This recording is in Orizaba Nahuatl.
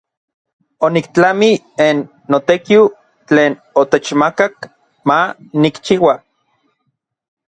Oniktlamij n notekiu tlen otechmakak ma nikchiua.